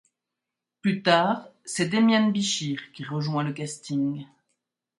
Plus tard, c’est Demiàn Bichir qui rejoint le casting.